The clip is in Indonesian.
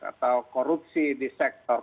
atau korupsi di sektor